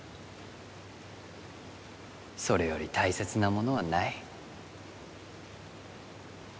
それより大切なものはない。